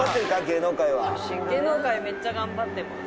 芸能界めっちゃ頑張ってます。